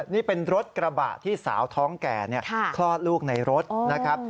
นี่เป็นรถกระบะที่สาวท้องแก่คลอดลูกในรถนะครับ